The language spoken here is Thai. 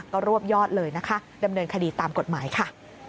ก็รวบยอดเลยนะคะดำเนินคดีตามกฎหมายค่ะ